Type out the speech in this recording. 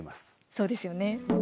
そうですよね。